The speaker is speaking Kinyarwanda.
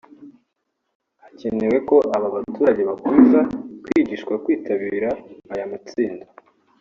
hakenewe ko aba baturage bakomeza kwigishwa kwitabira aya matsinda